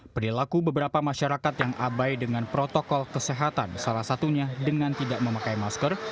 perilaku beberapa masyarakat yang abai dengan protokol kesehatan salah satunya dengan tidak memakai masker